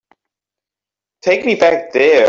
Take me back there.